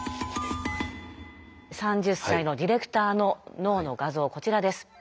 ３０歳のディレクターの脳の画像こちらです。